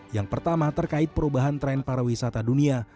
yang pertama terkait perubahan tren pariwisata dunia